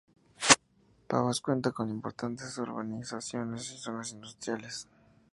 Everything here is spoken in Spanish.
Pavas cuenta con importantes urbanizaciones y zonas industriales.